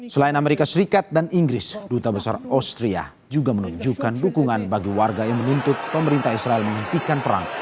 selain amerika serikat dan inggris duta besar austria juga menunjukkan dukungan bagi warga yang menuntut pemerintah israel menghentikan perang